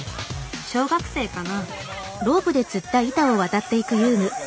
小学生かな？